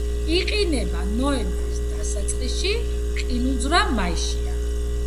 იყინება ნოემბრის დასაწყისში, ყინულძვრა მაისშია.